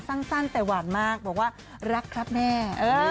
สั้นแต่หวานมากบอกว่ารักครับแม่